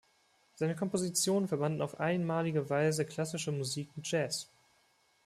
Seine Kompositionen verbanden auf einmalige Weise Klassische Musik mit Jazz.